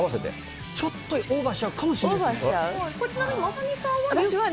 ちょっとオーバーしちゃうかもしれないですね。